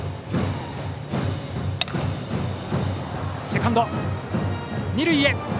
セカンド、二塁へ。